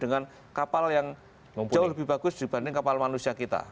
dengan kapal yang jauh lebih bagus dibanding kapal manusia kita